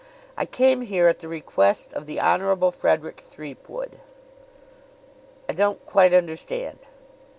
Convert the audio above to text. "I came here at the request of the Honorable Frederick Threepwood." "I don't quite understand."